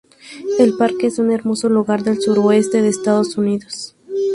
El parque es un hermoso lugar del suroeste de Estados Unidos.